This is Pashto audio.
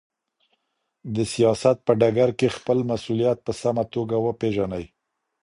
د سياست په ډګر کي خپل مسؤليت په سمه توګه وپېژنئ.